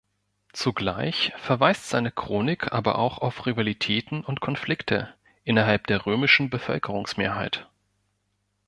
Zugleich verweist seine Chronik aber auch auf Rivalitäten und Konflikte innerhalb der römischen Bevölkerungsmehrheit.